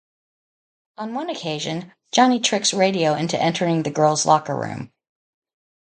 On one occasion, Johnny tricks Radio into entering the girls locker room.